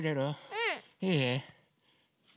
うん。いい？